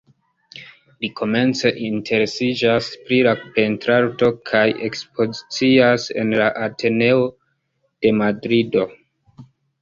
Li komence interesiĝas pri la pentrarto, kaj ekspozicias en la Ateneo de Madrido.